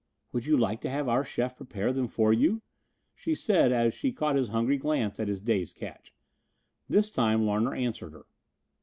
"Would you like to have our chef prepare them for you?" she said, as she caught his hungry glance at his day's catch. This time Larner answered her.